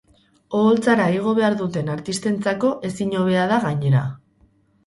Oholtzara igo behar duten artistentzako ezin hobea da gainera!